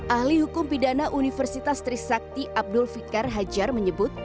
ahli hukum pidana universitas trisakti abdul fikar hajar menyebut